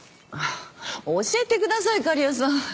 教えてください狩矢さん。